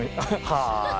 「はい」。